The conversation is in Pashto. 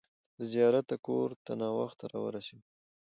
له زیارته کور ته ناوخته راورسېدو.